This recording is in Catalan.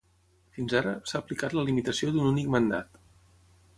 Fins ara, s'ha aplicat la limitació d'un únic mandat.